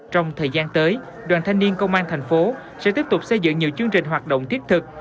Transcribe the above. trong thời gian tới đoàn thanh niên công an thành phố sẽ tiếp tục xây dựng nhiều chương trình hoạt động thiết thực